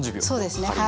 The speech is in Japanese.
そうですね。